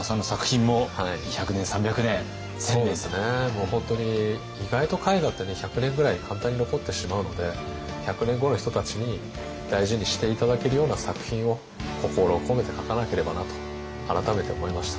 もう本当に意外と絵画ってね１００年ぐらい簡単に残ってしまうので１００年後の人たちに大事にして頂けるような作品を心を込めて描かなければなと改めて思いました。